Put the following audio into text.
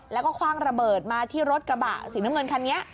แล้วก็คว่างระเบิดมาที่รถกระบะสีน้ำเงินคันนี้